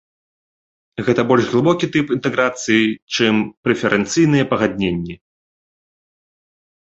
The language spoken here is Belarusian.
Гэта больш глыбокі тып інтэграцыі, чым прэферэнцыйныя пагадненні.